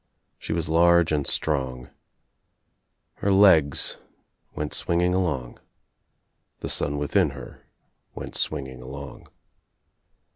She was large and strong. Her legs went swinging along. The son within her went swing ing along.